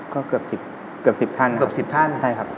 ก็เกือบ๑๐ท่านครับ